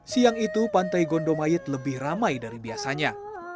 siang itu pantai gondomayet lebih ramai dari biasanya